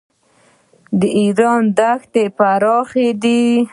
د ایران دښتې پراخې دي.